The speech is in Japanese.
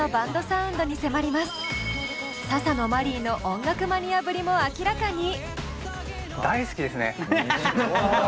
ササノマリイの音楽マニアぶりも明らかに！